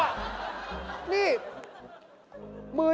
ไอ้เบิร์ด